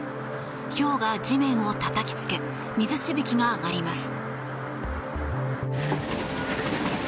ひょうが地面をたたきつけ水しぶきが上がります。